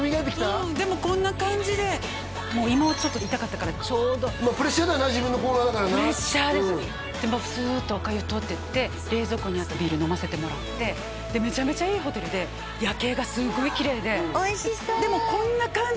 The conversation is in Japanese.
うんでもこんな感じでもう胃も痛かったからちょうどプレッシャーだよな自分のコーナーだからなプレッシャーですでもうスーッとお粥通っていって冷蔵庫にあったビール飲ませてもらってでメチャメチャいいホテルで夜景がすごいきれいでおいしそうでもこんな感じ